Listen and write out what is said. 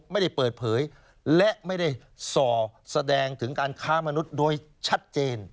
ไม่ได้เปิดเผยและไม่ได้ส่อแสดงถึงการค้ามนุษย์โดยชัดเจน